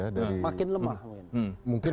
makin lemah mungkin